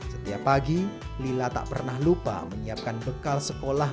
setiap pagi lila tak pernah lupa menyiapkan bekal sekolah